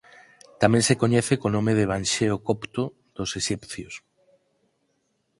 Tamén se coñece co nome de Evanxeo Copto dos Exipcios.